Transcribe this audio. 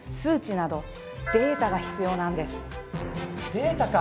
「データ」か！